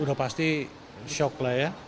udah pasti shock lah ya